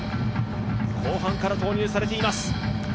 後半から投入されています。